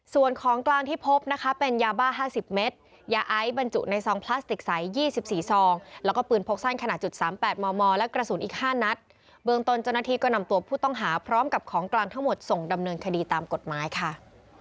ส่วนของกลางที่พบนะคะเป็นยาบ้า๕๐เมตรยาไอซ์บรรจุในซองพลาสติกใส๒๔ซองแล้วก็ปืนพกสั้นขนาดจุดสามแปดมมและกระสุนอีก๕นัดเบื้องต้นเจ้าหน้าที่ก็นำตัวผู้ต้องหาพร้อมกับของกลางทั้งหมดส่งดำเนินคดีตามกฎหมายค่ะ